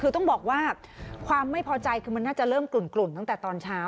คือต้องบอกว่าความไม่พอใจคือมันน่าจะเริ่มกลุ่นตั้งแต่ตอนเช้า